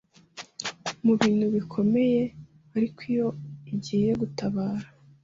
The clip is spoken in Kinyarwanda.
mu bintu bikomeye ariko iyo igiye gutabara